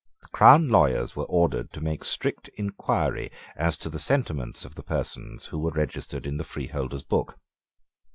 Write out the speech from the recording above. The crown lawyers were ordered to make strict inquiry as to the sentiments of the persons who were registered in the freeholders' book.